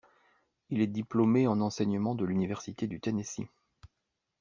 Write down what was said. Il est diplômé en enseignement de l'université du Tennessee.